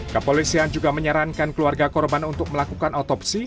kepolisian juga menyarankan keluarga korban untuk melakukan otopsi